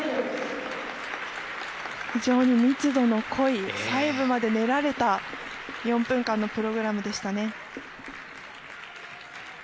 非常に密度の濃い細部まで練られた４分間のプログラムでしたね。